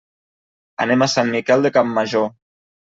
Anem a Sant Miquel de Campmajor.